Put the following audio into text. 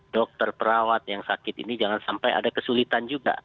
dokter perawat yang sakit ini jangan sampai ada kesulitan juga